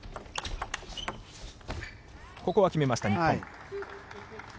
ここは決めました、日本。